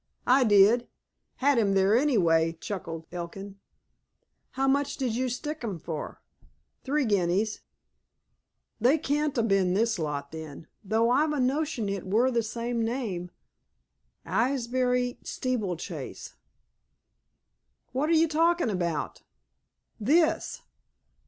"I did. Had him there, anyhow," chuckled Elkin. "How much did you stick 'im for?" "Three guineas." "They can't ha' bin this lot, then, though I've a notion it wur the same name, 'Aylesbury Steeplechase.'" "What are you talking about?" "This."